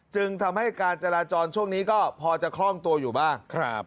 จึงทำให้การจราจรช่วงนี้ก็พอจะคล่องตัวอยู่บ้าง